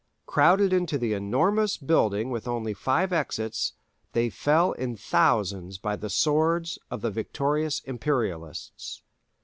Crowded into the enormous building with only five exits, they fell in thousands by the swords of the victorious Imperialists.